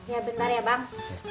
ya bentar ya bang